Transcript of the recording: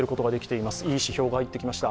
いい指標が入ってきました。